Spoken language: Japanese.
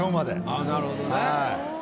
あっなるほどね。